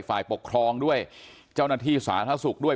ฝ่ายปกครองด้วยเจ้าหน้าที่สาธารณสุขด้วย